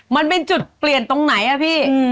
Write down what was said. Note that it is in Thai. มันเป็นจุดเปลี่ยนตรงไหนอะพี่